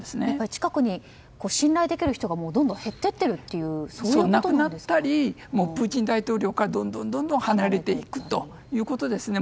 近くに信頼できる人がどんどん減ってきている亡くなったりプーチン大統領からどんどん離れていくということですね。